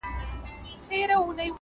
وخت د فرصتونو خام مواد دي